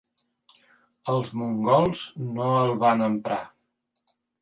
Els mongols no el van emprar.